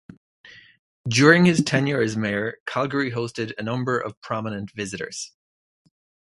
During his tenure as mayor, Calgary hosted a number of prominent visitors.